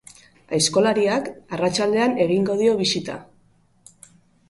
Aizkolariak arratsaldean egingo dio bisita.